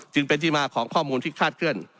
จึงเป็นที่มาของข้อมูลที่คาดเคลื่อน